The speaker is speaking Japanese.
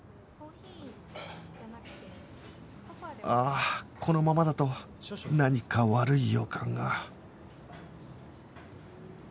あこのままだと何か悪い予感が